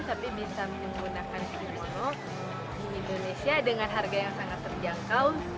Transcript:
tapi bisa menggunakan video di indonesia dengan harga yang sangat terjangkau